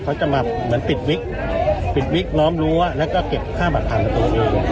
เขาจะมาเหมือนปิดวิกปิดวิกล้อมรั้วแล้วก็เก็บค่าผ่านประตูนี้